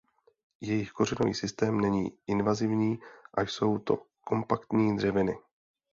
Jejich kořenový systém není invazivní a jsou to kompaktní dřeviny.